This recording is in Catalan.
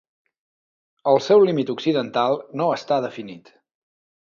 El seu límit occidental no està definit.